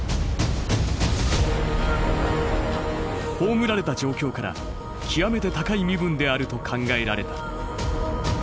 葬られた状況から極めて高い身分であると考えられた。